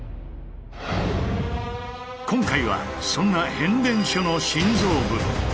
今回はそんな変電所の心臓部。